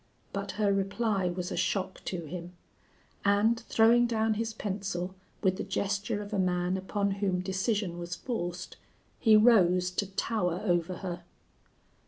But her reply was a shock to him, and, throwing down his pencil with the gesture of a man upon whom decision was forced, he rose to tower over her.